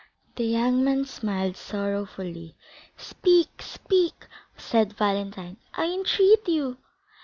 The young man smiled sorrowfully. "Speak, speak!" said Valentine; "I entreat you."